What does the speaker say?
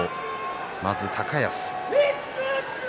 まず高安。